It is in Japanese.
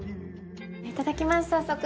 いただきます早速。